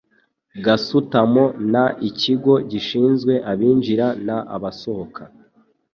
gasutamo n Ikigo gishinzwe abinjira n abasohoka